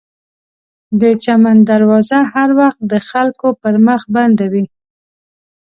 د چمن دروازه هر وخت د خلکو پر مخ بنده وي.